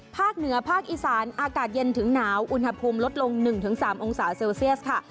ภาคเหนือภาคอีสานอากาศเย็นถึงหนาวอุณหภูมิลดลง๑๓องศาเซลเซียสค่ะ